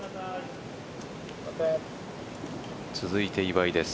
続いて岩井です。